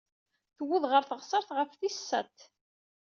Tuweḍ ɣer teɣsert ɣef tis sat.